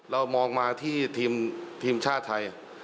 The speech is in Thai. เรามองมาที่ทีมชาติไทย